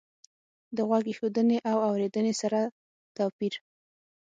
د غوږ ایښودنې له اورېدنې سره توپیر